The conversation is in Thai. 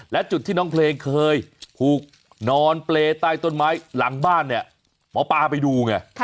และจุดที่น้องเพลงเคยถูกนอนเปรย์ใต้ต้นไม้หลังบ้านเนี่ยหมอปลาไปดูไง